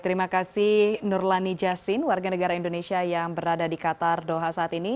terima kasih nurlani jasin warga negara indonesia yang berada di qatar doha saat ini